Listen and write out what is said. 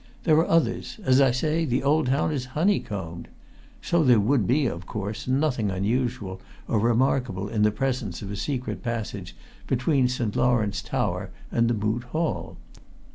There are others as I say, the old town is honeycombed. So there would be, of course, nothing unusual or remarkable in the presence of a secret passage between St. Lawrence tower and the Moot Hall.